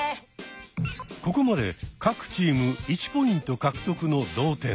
ここまで各チーム１ポイント獲得の同点。